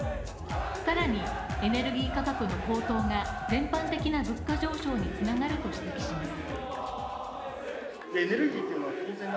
さらに、エネルギー価格の高騰が全般的な物価上昇に繋がると指摘します。